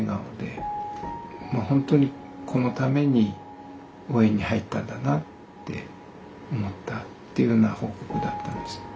まあ本当にこのために応援に入ったんだなって思ったっていうような報告だったんです。